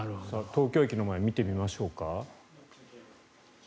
東京駅の前見てみましょうか。